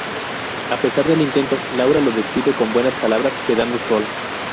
A pesar del intento, Laura los despide con buenas palabras quedando sola.